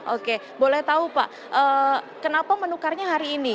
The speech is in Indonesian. oke boleh tahu pak kenapa menukarnya hari ini